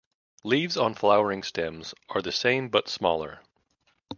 Leaves on flowering stems are the same but smaller.